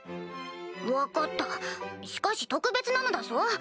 分かったしかし特別なのだぞ？